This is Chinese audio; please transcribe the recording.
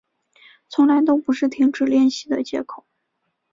从来都不是停止练习的借口